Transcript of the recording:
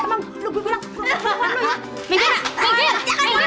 emangnya gak berhasil ngelahirin mbak